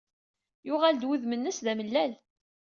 Yuɣal-d wudem-nnes d amellal.